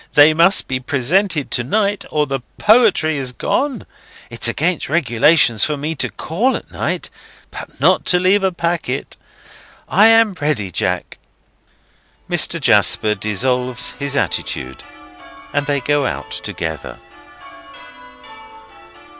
They must be presented to night, or the poetry is gone. It's against regulations for me to call at night, but not to leave a packet. I am ready, Jack!" Mr. Jasper dissolves his attitude, and they go out together.